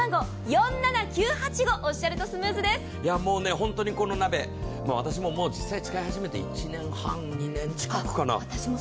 本当にこの鍋、私も実際使い始めて１年半２年近くかな。